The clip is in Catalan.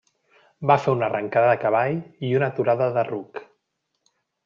Va fer una arrencada de cavall i una aturada de ruc.